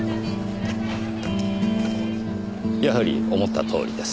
やはり思ったとおりです。